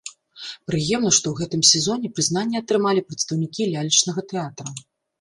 Прыемна, што ў гэтым сезоне прызнанне атрымалі прадстаўнікі лялечнага тэатра.